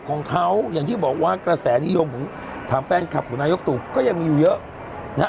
ของเขาอย่างที่บอกว่ากระแสนิยมถามแฟนคลับของนายกตู่ก็ยังมีอยู่เยอะนะฮะ